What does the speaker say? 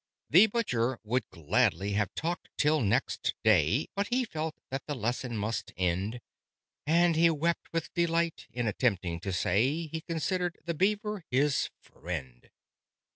The Butcher would gladly have talked till next day, But he felt that the lesson must end, And he wept with delight in attempting to say He considered the Beaver his friend.